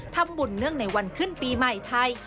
เนื่องในวันขึ้นปีใหม่ไทย